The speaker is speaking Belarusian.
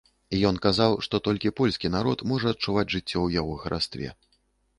Ён казаў, што толькі польскі народ можа адчуваць жыццё ў яго харастве.